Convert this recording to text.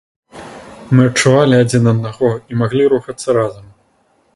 Мы адчувалі адзін аднаго і маглі рухацца разам.